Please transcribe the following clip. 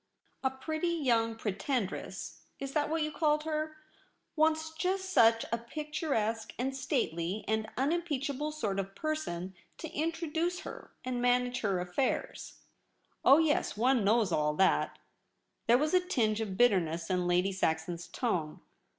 A pretty young pretendress — is that what you called her }— wants just such a picturesque, and stately, and unimpeachable sort of per sonage to introduce her, and manage her affairs. Oh yes, one knows all that !' There was a tinge of bitterness in Lady Saxon's tone.